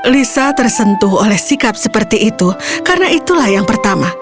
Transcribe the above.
lisa tersentuh oleh sikap seperti itu karena itulah yang pertama